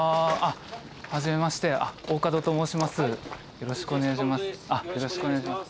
よろしくお願いします。